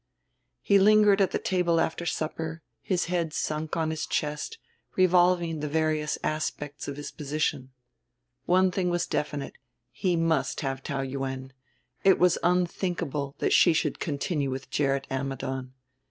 He lingered at the table after supper, his head sunk on his chest, revolving the various aspects of his position. One thing was definite he must have Taou Yuen; it was unthinkable that she should continue with Gerrit Ammidon.